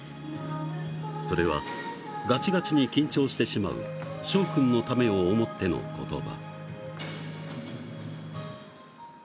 それはガチガチに緊張してしまうしょう君のためを思っての言葉。